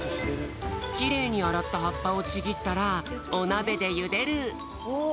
きれいにあらったはっぱをちぎったらおなべでゆでる。